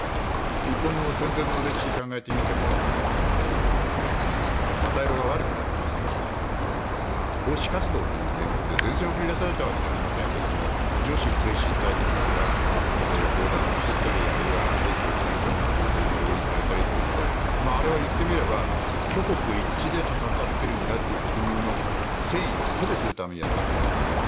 日本の戦前の歴史を考えてみても旗色が悪くなった時に奉仕活動という名目で前線に送り出されたわけじゃないですが女子挺身隊というのが砲弾を作ったりあるいは兵器を作るために工場に動員されたりという時代あれはいってみれば挙国一致で戦っているんだという国民の戦意を鼓舞するためにやったんですね。